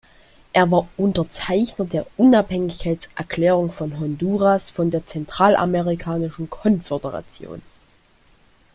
Er war Unterzeichner der Unabhängigkeitserklärung von Honduras von der zentralamerikanischen Konföderation.